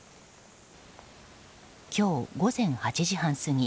今日午前８時半過ぎ